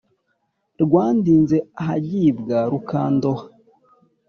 Rwandinze ahagibwa Rukandoha